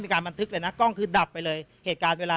คุณผู้ชมฟังช่างปอลเล่าคุณผู้ชมฟังช่างปอลเล่าคุณผู้ชมฟังช่างปอลเล่า